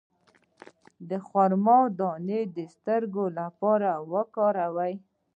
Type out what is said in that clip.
د خرما دانه د سترګو لپاره وکاروئ